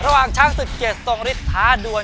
ระหว่างช้างศึกเกษตรงฤทธาดวน